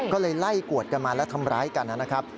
ก็เลยไล่กวดกันมาและทำร้ายกันนะครับ